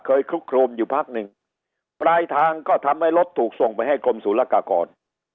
เคยครบอยู่ปลายทางก็ทำให้รถถูกส่งไปให้กรมสูตรลากากร